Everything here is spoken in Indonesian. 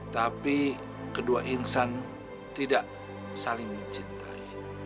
tapi kedua insan tidak saling mencintai